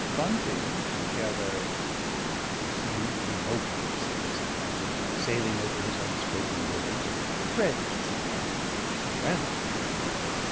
"Bunting, I gather " "It is you or no one," said Mrs. Bunting, sailing over his unspoken words. "Fred is too young, and Randolph